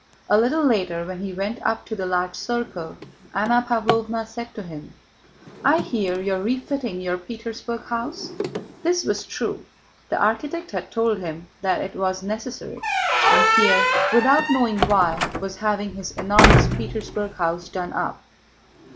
A little later when he went up to the large circle, Anna Pávlovna said to him: "I hear you are refitting your Petersburg house?" This was true. The architect had told him that it was necessary, and Pierre, without knowing why, was having his enormous Petersburg house done up.